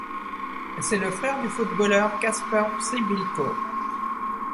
C'est le frère du footballeur Kacper Przybyłko.